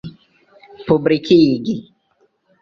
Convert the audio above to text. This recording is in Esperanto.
publikigi